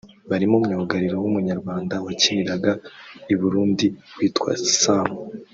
barimo myugariro w’Umunyarwanda wakiniraga i Burundi witwa Samu